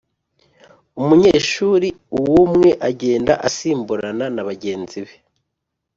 Umunyeshuri umwumwe agenda asimburana na bagenzi be